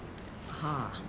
はあ。